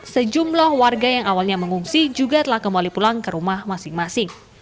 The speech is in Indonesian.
sejumlah warga yang awalnya mengungsi juga telah kembali pulang ke rumah masing masing